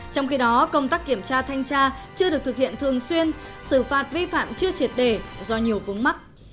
trong khi đó công tác kiểm tra thanh tra chưa được thực hiện thường xuyên xử phạt vi phạm chưa triệt để do nhiều vướng mắt